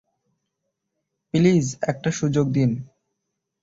Please একটা সুযোগ দিন।